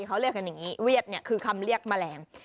เขาเรียกกันอย่างนี้เวียดเนี่ยคือคำเรียกแมลง